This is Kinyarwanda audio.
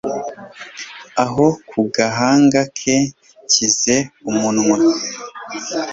aho ku gahanga ke nshyize umunwa